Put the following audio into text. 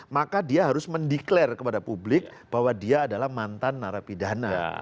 maka dia harus mendeklarasi kepada publik bahwa dia adalah mantan narapidana